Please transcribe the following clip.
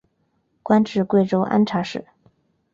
官至贵州按察使。